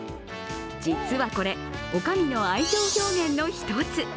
実はこれ、女将の愛情表現の一つ。